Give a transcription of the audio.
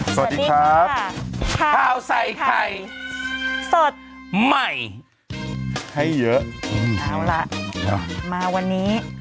สวัสดีครับข้าวใส่ไข่สดใหม่ให้เยอะเอาล่ะมาวันนี้